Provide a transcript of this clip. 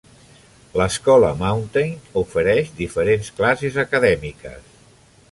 L'escola Mountain ofereix diferents classes acadèmiques.